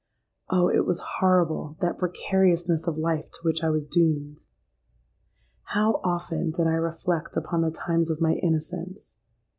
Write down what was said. Oh! it was horrible, that precariousness of life to which I was doomed! "How often did I reflect upon the times of my innocence!